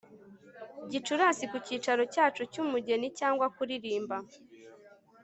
Gicurasi ku cyicaro cyacu cyumugeni cyangwa kuririmba